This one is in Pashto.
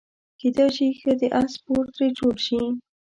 کیدای شي ښه د اس سپور ترې جوړ شي.